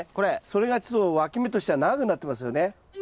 それがちょっとわき芽としては長くなってますよね。